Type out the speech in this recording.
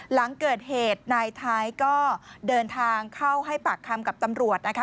หลังเกิดเหตุนายท้ายก็เดินทางเข้าให้ปากคำกับตำรวจนะคะ